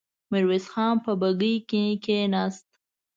ميرويس خان په بګۍ کې کېناست.